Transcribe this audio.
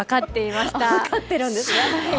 分かってるんですね。